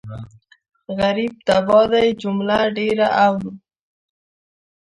غريب تباه دی جمله ډېره اورو